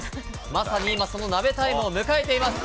まさに今、そのナベタイムを迎えています。